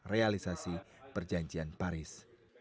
realisasi perjanjian paris